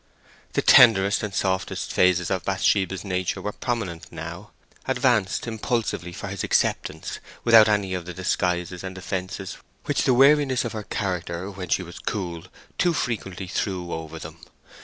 The tenderest and softest phases of Bathsheba's nature were prominent now—advanced impulsively for his acceptance, without any of the disguises and defences which the wariness of her character when she was cool too frequently threw over them.